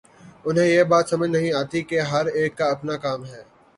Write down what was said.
انہیں یہ بات سمجھ نہیں آتی کہ ہر ایک کا اپنا کام ہے۔